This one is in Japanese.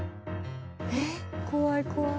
えっ怖い怖い。